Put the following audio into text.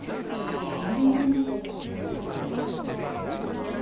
腎臓内科で研修中に担当してた子で。